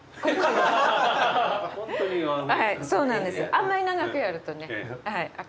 あんまり長くやるとね。